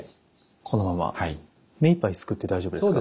このまま目いっぱいすくって大丈夫ですか？